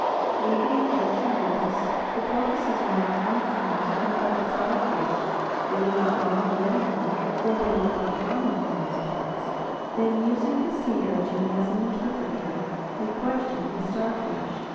Leaving the urchin with us, the porpoises went off once more to hunt up a starfish. They were not long getting one, for they were quite common in those parts. Then, using the sea urchin as an interpreter, they questioned the starfish.